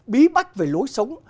bí bách về lối sống